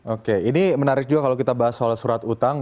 oke ini menarik juga kalau kita bahas soal surat utang